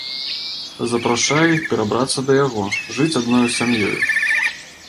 Запрашае іх перабрацца да яго, жыць адною сям'ёю.